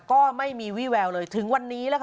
ก็ไม่มีวี่แววเลยถึงวันนี้แล้วค่ะ